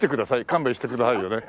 勘弁してくださいよね？